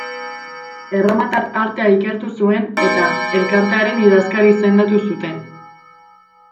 Erromatar artea ikertu zuen eta Elkartearen idazkari izendatu zuten.